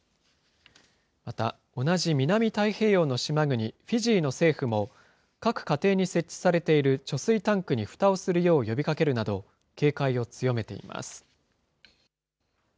また、同じ南太平洋の島国、フィジーの政府も、各家庭に設置されている貯水タンクにふたをするよう呼びかけるなど、警戒を強めています。